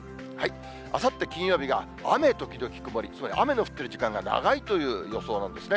あさって金曜日が雨時々曇り、つまり雨の降ってる時間が長いという予想なんですね。